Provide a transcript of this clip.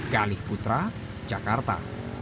galih putra jakarta